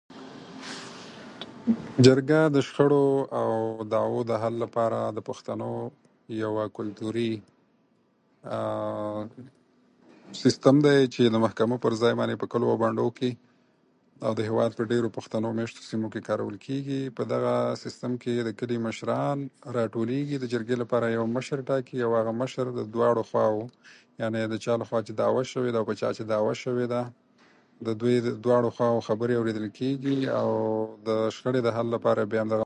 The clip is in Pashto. جرګه د شخړو او دعوو د حل لپاره د پښتنو یوه کلتوري سیستم دی چې د محکمو پر ځای په کلیو او بانډو کې، او د هېواد په ډېرو پښتنو مېشتو سیمو کې کارول کېږي. په دغه سیستم کې د کلي مشران راټولېږي، د جرګې لپاره یو مشر ټاکي، او دغه مشر د دواړو خواوو، یعنې د چا لخوا چې دعوه شوې ده او په چا چې دعوه شوې ده، د دوی د دواړو خواوو خبرې اورېدل کېږي. دوی او د شخړې د حل لپاره بیا همدغه